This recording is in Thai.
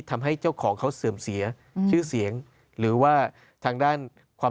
ทำให้เจ้าของเขาเสื่อมเสียชื่อเสียงหรือว่าทางด้านความ